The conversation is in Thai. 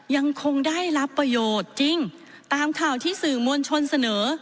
ยังคงได้รับประโยชน์จริงตามข่าวที่สื่อมวลชนเสนอ